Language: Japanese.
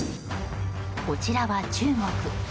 こちらは中国。